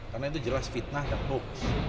karena itu jelas fitnah dan books